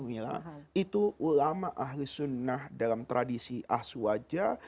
itu ulama ahli sunnah dalam tradisi aswajah